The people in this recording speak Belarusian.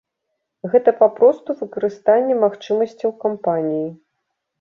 Гэта папросту выкарыстанне магчымасцяў кампаніі.